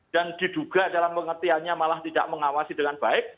dan diduga dalam pengertiannya malah tidak mengawasi dengan baik